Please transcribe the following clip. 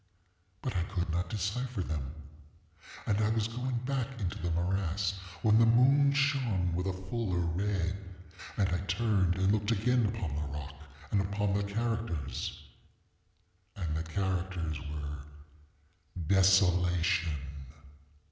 But I could not decypher them. And I was going back into the morass, when the moon shone with a fuller red, and I turned and looked again upon the rock, and upon the characters, and the characters were DESOLATION.